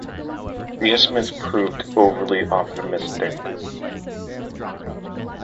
The estimates proved overly optimistic.